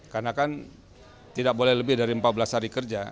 karena kan tidak boleh lebih dari empat belas hari kerja